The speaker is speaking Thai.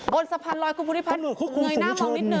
บนสะพานลอยคุณภูริพัฒน์เงยหน้ามองนิดนึ